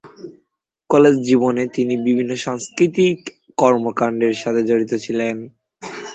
College জীবনে তিনি বিভিন্ন সাংস্কৃতিক কর্মকাণ্ডের সাথে জড়িত ছিলেন।